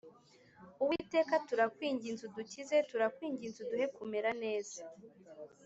Uwiteka turakwinginze udukize, turakwinginze uduhe kumera neza